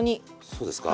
そうですか。